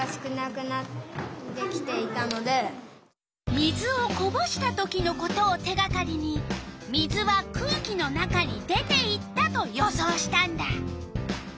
水をこぼした時のことを手がかりに水は空気の中に出ていったと予想したんだ。